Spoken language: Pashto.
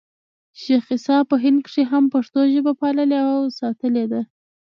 شېخ عیسي په هند کښي هم پښتو ژبه پاللـې او ساتلې ده.